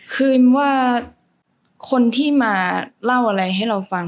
คือว่าคนที่มาเล่าอะไรให้เราฟัง